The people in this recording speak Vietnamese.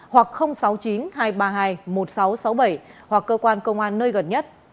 hoặc sáu mươi chín hai trăm ba mươi hai một nghìn sáu trăm sáu mươi bảy hoặc cơ quan công an nơi gần nhất